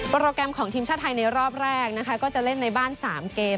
โปรแกรมของทีมชาติไทยในรอบแรกนะคะก็จะเล่นในบ้าน๓เกม